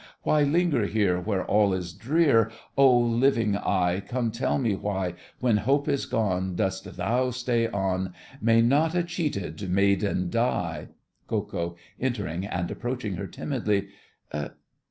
Why linger here, Where all is drear? Oh, living I! Come, tell me why, When hope is gone, Dost thou stay on? May not a cheated maiden die? KO. (entering and approaching her timidly).